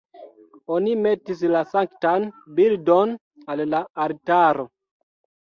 Oni metis la sanktan bildon al la altaro.